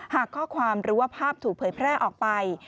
หากข้อความหรือว่าภาพถูกเผยแพร่ออกไป